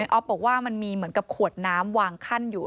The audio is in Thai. ออฟบอกว่ามันมีเหมือนกับขวดน้ำวางขั้นอยู่